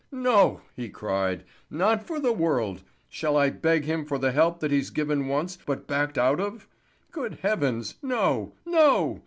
"No," he cried, "not for the world! Shall I beg him for the help that he's given once, but backed out of? Good heavens, no! No!